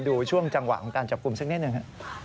ดูช่วงจังหวะของการจับกลุ่มสักนิดหนึ่งครับ